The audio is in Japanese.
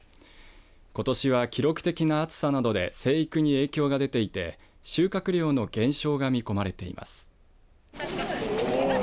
ことしは記録的な暑さなどで生育に影響が出ていて収穫量の減少が見込まれています。